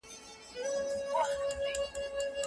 کله د ښه ږغ په اورېدو زړه او دماغ ارامیږي؟